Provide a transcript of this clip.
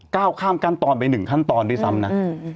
ก้าวข้ามขั้นตอนไป๑ขั้นตอนด้วยซ้ำนะ